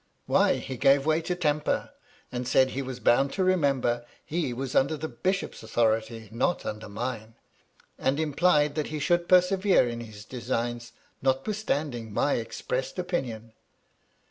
"Why, he gave way to temper, and said he was bound to remember he was under the bishop's authority, not under mine ; and implied that he should persevere in his designs, notwithstanding my expressed opinion."